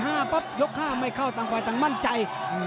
หรือว่าผู้สุดท้ายมีสิงคลอยวิทยาหมูสะพานใหม่